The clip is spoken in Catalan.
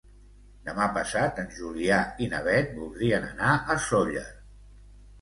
Demà passat en Julià i na Beth voldrien anar a Sóller.